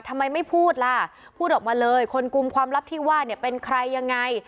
ทำไมไม่พูดล่ะพูดออกมาเลยคนกลุ่มความลับที่ว่าเนี่ยเป็นใครยังไง